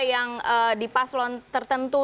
yang di paslon tertentu